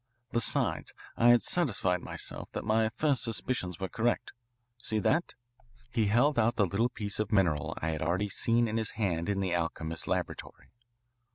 Besides, I had satisfied myself that my first suspicions were correct. See that?" He held out the little piece of mineral I had already seen in his hand in the alchemist's laboratory.